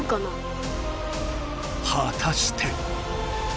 はたして。